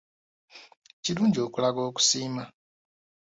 Kirungi okulaga okusiima.